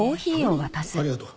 ありがとう。